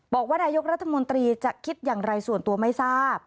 บอกว่านายกรัฐมนตรีจะคิดอย่างไรส่วนตัวไม่ทราบ